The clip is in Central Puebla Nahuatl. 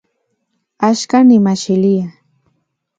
Axkan nimajxilia